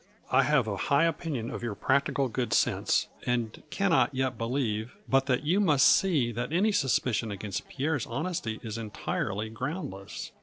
I have a high opinion of your practical good sense, and can not yet believe but that you must see that any suspicion against Pierre's honesty is entirely groundless."